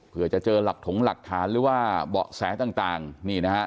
เพื่อจะเจอหลักถงหลักฐานหรือว่าเบาะแสต่างนี่นะฮะ